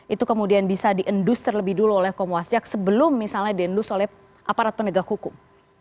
itu kemudian bisa diendus terlebih dulu oleh komwasjak sebelum misalnya diendus oleh aparat penegak hukum